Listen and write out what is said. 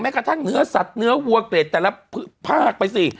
กระทั่งเนื้อสัตว์เนื้อวัวเกรดแต่ละภาคไปสิ